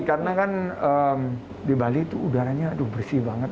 karena kan di bali tuh udaranya aduh bersih banget